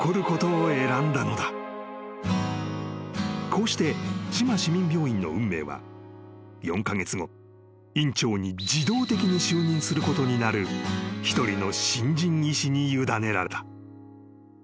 ［こうして志摩市民病院の運命は４カ月後院長に自動的に就任することになる一人の新人医師に委ねられた］